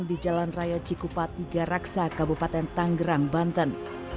di jalan raya cikupa tiga raksa kabupaten tanggerang banten